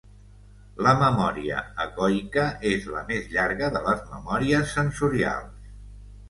La memòria ecoica és la més llarga de les memòries sensorials.